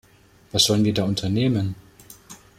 Was sollen wir da unternehmen?